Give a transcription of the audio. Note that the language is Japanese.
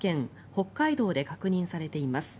北海道で確認されています。